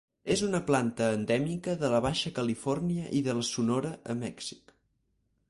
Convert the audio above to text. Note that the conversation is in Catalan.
És una planta endèmica de la Baixa Califòrnia i de Sonora a Mèxic.